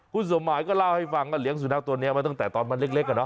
คุณสมหมายก็เล่าให้ฟังว่าเลี้ยสุนัขตัวนี้มาตั้งแต่ตอนมันเล็ก